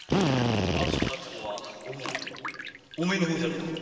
熱くなってるのはおぶんお前の方じゃねえのか。